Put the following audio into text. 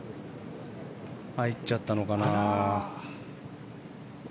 入っちゃったのかな。